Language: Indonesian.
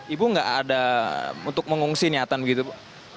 ibu gak ada untuk mengungsi niatan gitu bu